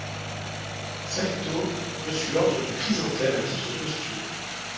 Saitō reçut l'ordre du Chrysanthème à titre posthume.